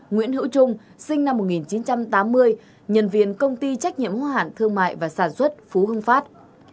nguyễn hữu trung sinh năm một nghìn chín trăm tám mươi nhân viên công ty trách nhiệm hóa hạn thương mại và sản xuất phú hưng phát